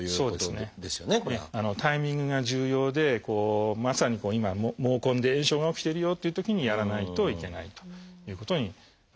タイミングが重要でまさに今毛根で炎症が起きてるよというときにやらないといけないということになるんですね。